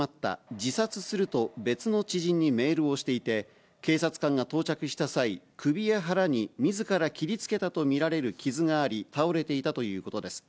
自殺すると別の知人にメールをしていて、警察官が到着した際、首や腹にみずから切りつけたと見られる傷があり、倒れていたということです。